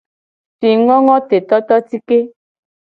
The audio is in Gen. Fingongotetototike.